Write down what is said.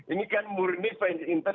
ini kan murni fans inter